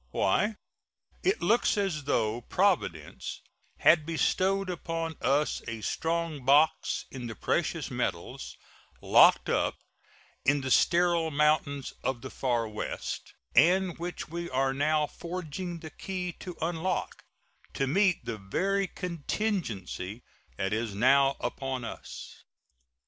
Why, it looks as though Providence had bestowed upon us a strong box in the precious metals locked up in the sterile mountains of the far West, and which we are now forging the key to unlock, to meet the very contingency that is now upon us.